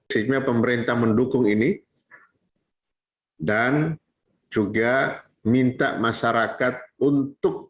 sebenarnya pemerintah mendukung ini dan juga minta masyarakat untuk juga memberikan dukungan